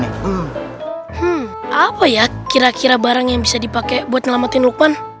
hmm apa ya kira kira barang yang bisa dipakai buat nyelamatin lukman